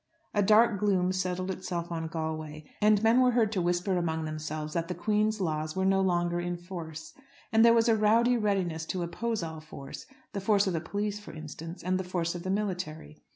A dark gloom settled itself on Galway, and men were heard to whisper among themselves that the Queen's laws were no longer in force. And there was a rowdy readiness to oppose all force, the force of the police for instance, and the force of the military.